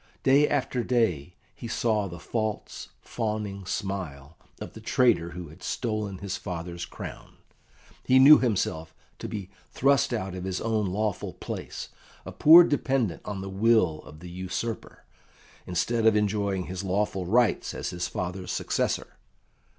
Day after day he saw the false, fawning smile of the traitor who had stolen his father's crown. He knew himself to be thrust out of his own lawful place, a poor dependent on the will of the usurper, instead of enjoying his lawful rights as his father's successor.